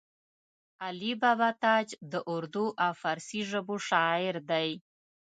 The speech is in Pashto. علي بابا تاج د اردو او فارسي ژبو شاعر دی